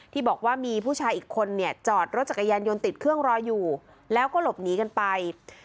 ที่บอกว่ามีผู้ชายอีกคนเนี่ยจอดรถจักรยานยนต์ติดเครื่องรออยู่แล้วก็หลบหนีกันไป